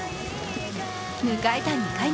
迎えた２回目。